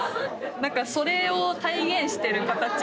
なんかそれを体現してる形。